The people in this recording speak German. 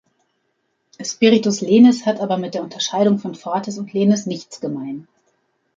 Spiritus lenis hat aber mit der Unterscheidung von Fortis und Lenis nichts gemein.